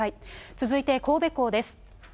続いて、神戸港です。